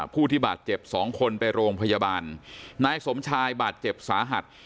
ผู้ที่บาดเจ็บสองคนไปโรงพยาบาลนายสมชายบาดเจ็บสาหัส